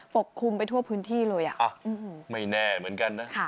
ปกคลุมไปทั่วพื้นที่เลยอ่ะไม่แน่เหมือนกันนะ